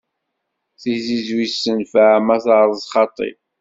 Tizizwit tenfeɛ ma d areẓ xaṭi.